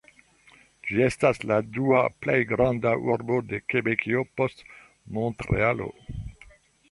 Ĝi estas la dua plej granda urbo de Kebekio, post Montrealo.